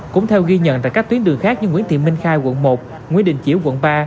cũng theo ghi nhận tại các tuyến đường khác như nguyễn thị minh khai quận một nguyễn đình chiểu quận ba